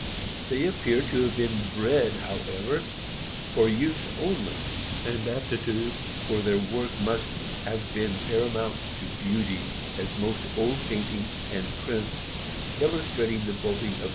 They ap pear to have been bred, however, for use only; and aptitude for their work must "have been paramount to beauty, as most old paintings and prints illustrating the bolting of 376 THE AMEKICAN BOOK OF THE DOG.